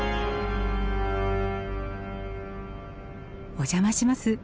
お邪魔します。